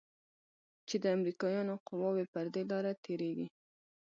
چې د امريکايانو قواوې پر دې لاره تېريږي.